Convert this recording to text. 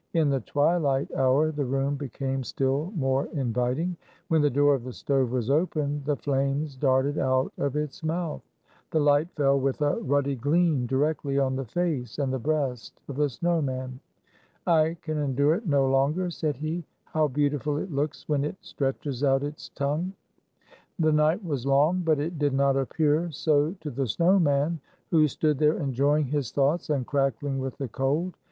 In the twilight hour the room became still more inviting. When the door of the stove was opened, the flames darted out of its mouth. The light fell with a ruddy gleam directly on the face and the breast of the snow man. "I can endure it no longer," said he. "How beautiful it looks when it stretches out its tongue!" The night was long, but it did not appear so to the snow man, who stood there enjoying his thoughts and crackling with the cold.